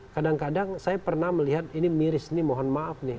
kadang kadang saya pernah melihat ini miris ini mohon maaf nih